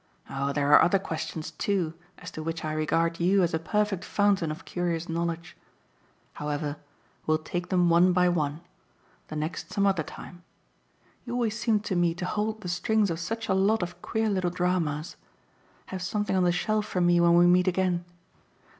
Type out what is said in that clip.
Oh there are other questions too as to which I regard you as a perfect fountain of curious knowledge! However, we'll take them one by one the next some other time. You always seem to me to hold the strings of such a lot of queer little dramas. Have something on the shelf for me when we meet again.